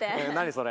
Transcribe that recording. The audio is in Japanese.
それ。